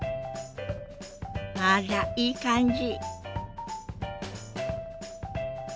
あらいい感じ。